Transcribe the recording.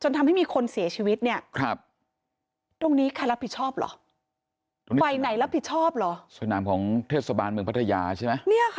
จนทำให้มีคนเสียชีวิตเนี่ย